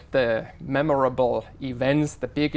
trong một việc khó khăn